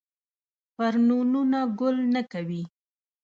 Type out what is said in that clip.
فرنونه ګل نه کوي